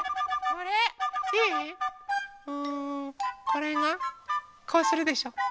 これがこうするでしょ。